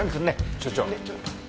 所長。